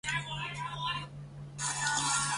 卡特农人口变化图示